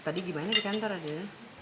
tadi gimana di kantor adanya